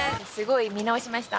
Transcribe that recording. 見直しました。